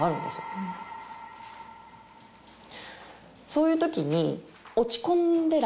そういうときに。